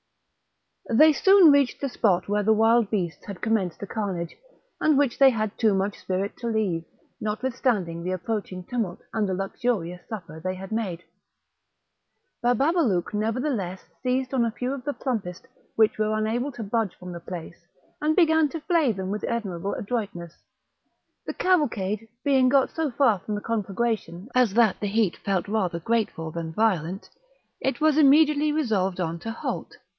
They soon reached the spot where the wild beasts had commenced the carnage, and which they had too much spirit to leave, notwithstanding the approaching tumult and the luxurious supper they had made; Bababalouk nevertheless seized on a few of the plumpest, which were unable to budge from the place, and began to flay them with admirable adroitness. The cavalcade being got so far from the conflagration as that the heat felt rather grateful than violent, it was immediately resolved on to halt.